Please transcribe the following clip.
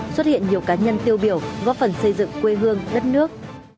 xuất hiện nhiều cá nhân tiêu biểu góp phần xây dựng quê hương đất nước